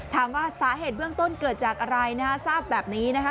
ถามว่าสาเหตุเบื้องต้นเกิดจากอะไรนะฮะทราบแบบนี้นะคะ